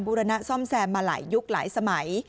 รณะซ่อมแซมมาหลายยุคหลายสมัย